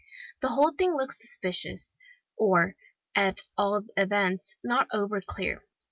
The whole thing looked suspicious, or, at all events, not over clear.